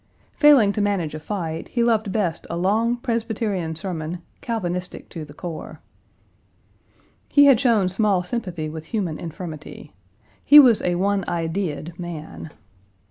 Failing to manage a fight, he loved best a long Presbyterian sermon, Calvinistic to the core. "He had shown small sympathy with human infirmity. He was a one idea ed man.